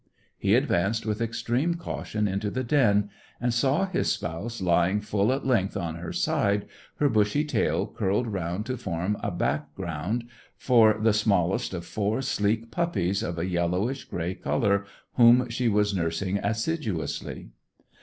He advanced with extreme caution into the den, and saw his spouse lying full at length on her side, her bushy tail curled round to form a background for the smallest of four sleek puppies, of a yellowish grey colour, whom she was nursing assiduously.